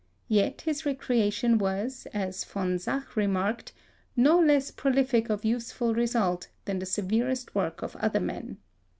Yet his recreation was, as Von Zach remarked, no less prolific of useful results than the severest work of other men.